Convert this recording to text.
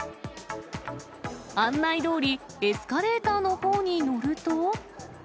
案内どおりエスカレーターのほうに乗ると。